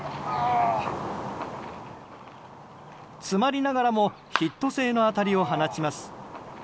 詰まりながらもヒット性の当たりを放ちます。